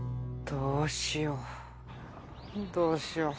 どうしよう？